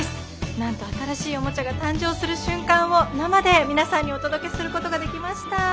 なんと新しいおもちゃが誕生する瞬間を生で皆さんにお届けすることができました。